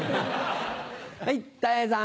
はいたい平さん。